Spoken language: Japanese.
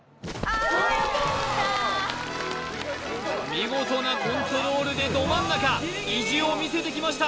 見事なコントロールでど真ん中意地をみせてきました